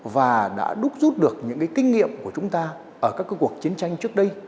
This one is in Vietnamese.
và đã đúc rút được những kinh nghiệm của chúng ta ở các cuộc chiến tranh trước đây